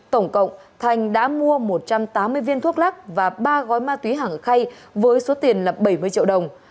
tổng cộng thành đã mua một trăm tám mươi viên thuốc lắc và ba gói ma túy hàng ở khay với số tiền là bảy mươi triệu đồng